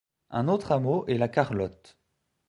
Un autre hameau est la Carlotte.